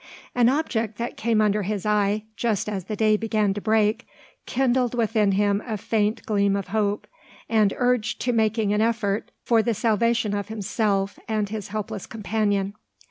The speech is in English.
An object that came under his eye, just as the day began to break, kindled within him a faint gleam of hope, and urged to making an effort for the salvation of himself and his helpless companion.